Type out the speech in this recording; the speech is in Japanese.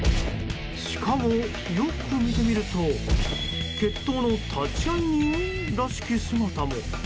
しかも、よく見てみると決闘の立会人らしき姿も。